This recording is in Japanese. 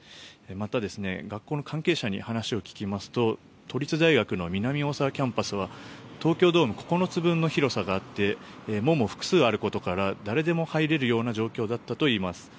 また、学校の関係者に話を聞きますと都立大学の南大沢キャンパスは東京ドーム９つ分の広さがあって門も複数あることから誰でも入れる状況だったといいます。